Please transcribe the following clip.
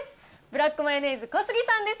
ブラックマヨネーズ・小杉さんです。